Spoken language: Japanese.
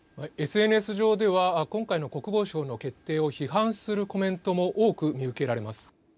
ＳＮＳ上では今回の国防省の決定を批判するコメントも多く見受けられます。